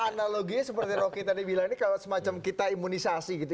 analoginya seperti rocky tadi bilang ini kalau semacam kita imunisasi gitu